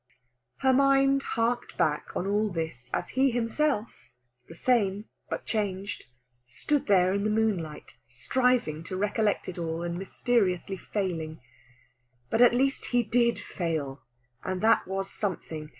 Her mind harked back on all this as he himself, the same but changed, stood there in the moonlight striving to recollect it all, and mysteriously failing. But at least, he did fail, and that was something.